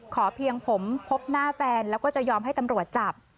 เพียงผมพบหน้าแฟนแล้วก็จะยอมให้ตำรวจจับ